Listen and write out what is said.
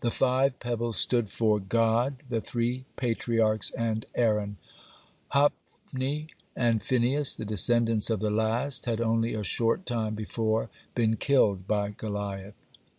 (37) The five pebbles stood for God, the three Patriarchs, and Aaron. Hophni and Phinehas, the descendants of the last, had only a short time before been killed by Goliath.